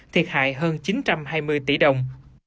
thiệt hại hơn chín trăm hai mươi tỷ đồng